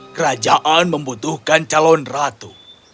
kerajaan membutuhkan calon ratu